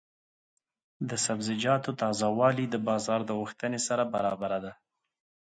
د سبزیجاتو تازه والي د بازار د غوښتنې سره برابره ده.